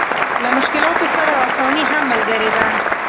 له مشکلاتو سره اساني هم ملګرې ده.